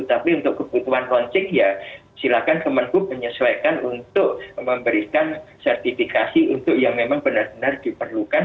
tapi untuk kebutuhan lonceng ya silakan kemenhub menyesuaikan untuk memberikan sertifikasi untuk yang memang benar benar diperlukan